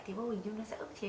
thì bác sĩ sẽ ước chế